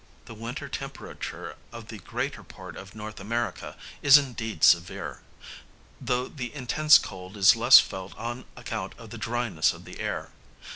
The winter temperature of the greater part of N. America is indeed severe, though the intense cold is less felt on account of the dryness of the air.